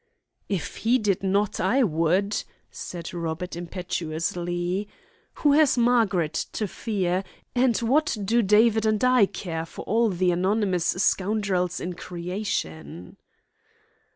"If he did not, I would," said Robert impetuously. "Who has Margaret to fear, and what do David and I care for all the anonymous scoundrels in creation?"